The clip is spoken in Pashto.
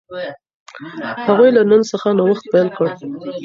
هغوی له نن څخه نوښت پیل کړ.